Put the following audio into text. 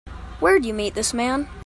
Where'd you meet this man?